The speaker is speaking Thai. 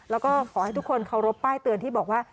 แล้วก็ขอให้ทุกคนเคารพป้ายเตือนที่บอกว่า